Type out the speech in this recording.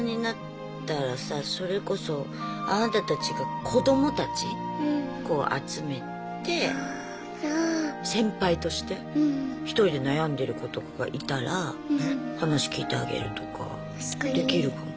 それこそあなたたちが子どもたちこう集めて先輩として一人で悩んでる子とかがいたら話聞いてあげるとかできるかもね。